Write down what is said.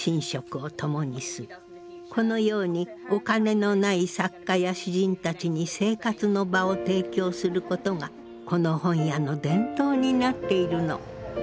このようにお金のない作家や詩人たちに生活の場を提供することがこの本屋の伝統になっているの。